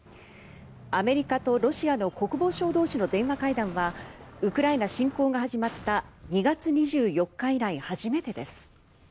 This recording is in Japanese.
アメリカとロシアの国防相同士の電話会談はウクライナ侵攻が始まった２月２４日以来初めてです。